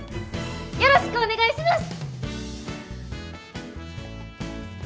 よろしくお願いします！